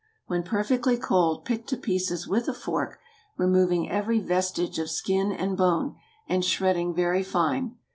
When perfectly cold, pick to pieces with a fork, removing every vestige of skin and bone, and shredding very fine.